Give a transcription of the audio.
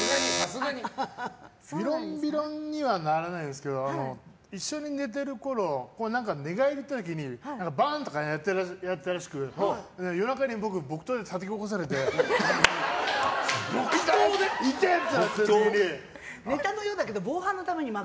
ビロンビロンにはならないんですけど一緒に寝てるころ寝返りを打った時にバーン！とかやってたらしく夜中に僕、木刀でたたき起こされていてっ！